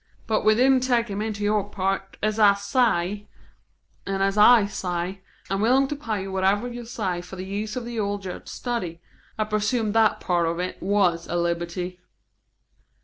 But we didn't take him into your part, as I say; and as I say, I'm willin' to pay you whatever you say for the use of the old Judge's study. I presume that part of it was a libbutty."